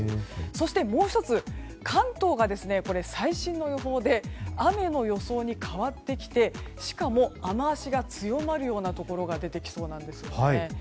そして、もう１つ関東が最新の予報で雨の予想に変わってきてしかも、雨脚が強まるようなところが出てきそうなんですよね。